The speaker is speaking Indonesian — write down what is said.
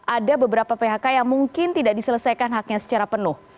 ada beberapa phk yang mungkin tidak diselesaikan haknya secara penuh